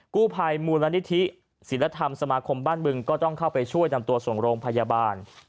กู้ภัยมูลนิธิศิลธรรมสมาคมบ้านบึงก็ต้องเข้าไปช่วยนำตัวส่งโรงพยาบาล